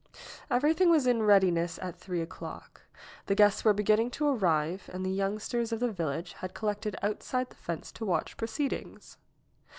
Everything was in readiness at three o'clock. The guests were beginning to arrive and the youngsters of the village had collected outside the fence to watch pro ceedings.